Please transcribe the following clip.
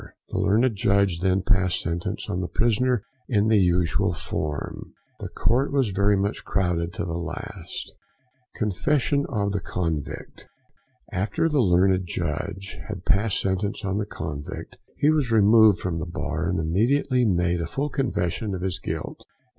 The Learned Judge then passed sentence on the prisoner in the usual form. The court was very much crowded to the last. THE CONFESSION OF THE CONVICT. After the Learned Judge had passed sentence on the convict, he was removed from the bar, and immediately made a full confession of his guilt.